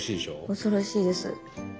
恐ろしいです。